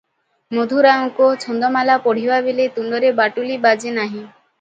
ମଧୁରାଓଙ୍କ ଛାନ୍ଦମାଳା ପଢ଼ିବା ବେଳେ ତୁଣ୍ଡରେ ବାଟୁଳି ବାଜେ ନାହିଁ ।